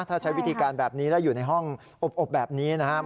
ถ้าใช้วิธีการแบบนี้แล้วอยู่ในห้องอบแบบนี้นะครับ